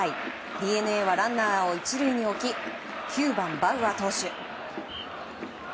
ＤｅＮＡはランナーを１塁に置き９番、バウアー投手。